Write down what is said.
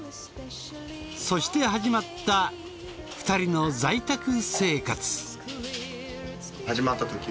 そして始まった２人の在宅生活。